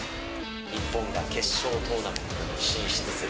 日本が決勝トーナメントに進出する。